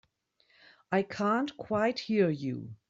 I can't quite hear you.